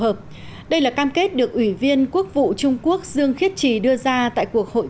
hợp đây là cam kết được ủy viên quốc vụ trung quốc dương khiết trì đưa ra tại cuộc hội